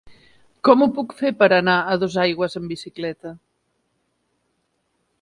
Com ho puc fer per anar a Dosaigües amb bicicleta?